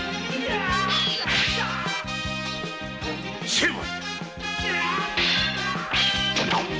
成敗！